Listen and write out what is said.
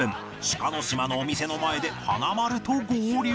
志賀島のお店の前で華丸と合流